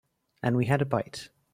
And we had a bite.